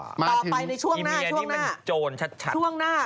อีเมียอันนี้มันโจรชัดค่ะต่อไปในช่วงหน้าช่วงหน้า